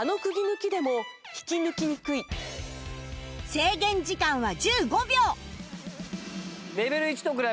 制限時間は１５秒